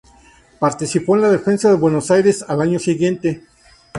Participó en la defensa de Buenos Aires al año siguiente.